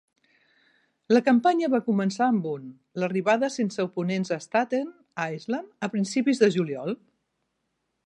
La campanya va començar amb un l'arribada sense oponents a Staten Island a principis de juliol.